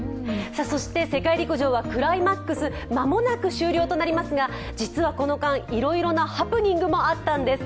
そして世界陸上はクライマックス間もなく終了となりますが実はこの間、いろいろなハプニングもあったんです。